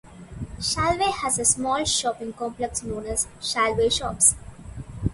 Shalvey has a small shopping complex known as Shalvey Shops.